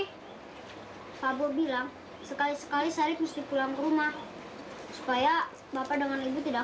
hai fabo bilang sekali sekali saya mesti pulang rumah supaya bapak dengan ibu tidak